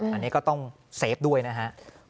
อันนี้ก็ต้องเซฟด้วยนะฮะ